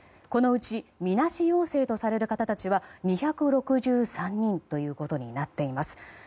このうちみなし陽性とされる方たちは２６３人ということになっています。